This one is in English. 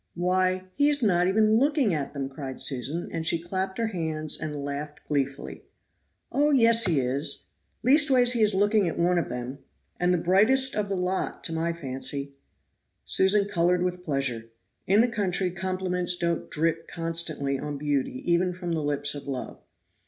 "Why, he is not even looking at them!" cried Susan, and she clapped her hands and laughed gleefully. "Oh, yes, he is; leastways he is looking at one of them, and the brightest of the lot to my fancy." Susan colored with pleasure. In the country compliments don't drip constantly on beauty even from the lips of love.